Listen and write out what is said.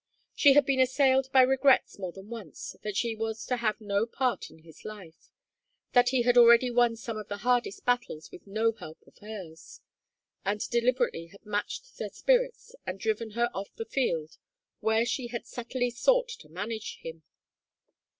She had been assailed by regrets more than once that she was to have no part in his life, that he had already won some of his hardest battles with no help of hers, and deliberately had matched their spirits and driven her off the field where she had subtly sought to manage him.